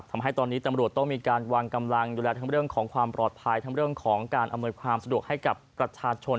ทำให้ตอนนี้ตำรวจต้องมีการวางกำลังดูแลทั้งเรื่องของความปลอดภัยทั้งเรื่องของการอำนวยความสะดวกให้กับประชาชน